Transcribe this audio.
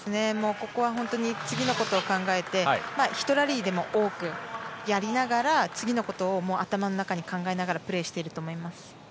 ここは次のことを考えて１ラリーでも多くやりながら次のことを頭の中に考えながらプレーしていると思います。